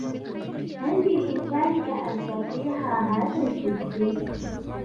هل بإمكانك أن تعطيها هذا الكرسي ؟